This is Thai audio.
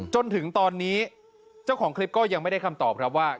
จนถึงตอนนี้เจ้าของคลิปก็ยังไม่ได้คำตอบครับว่า